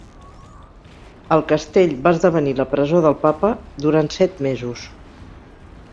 El castell va esdevenir la presó del Papa durant set mesos.